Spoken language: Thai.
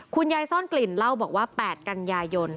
ซ่อนกลิ่นเล่าบอกว่า๘กันยายน